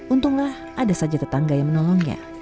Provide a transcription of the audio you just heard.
untunglah ada saja tetangga yang menolongnya